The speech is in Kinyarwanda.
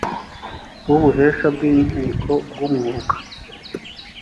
w ubuhesha bw inkiko bw umwuga